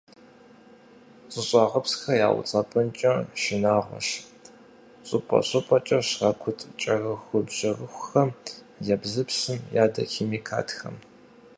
ЩӀыщӀагъыпсхэр яуцӀэпӀынкӀэ шынагъуэщ щӀыпӀэ-щӀыпӀэкӀэ щракӀут кӀэрыхубжьэрыхум, ебзыпсым, ядохимикатхэм.